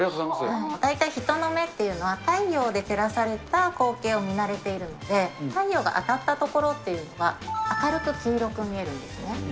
大体人の目というのは、太陽に照らされた光景を見慣れているんで、太陽が当たった所っていうのは、明るく黄色く見えるんですね。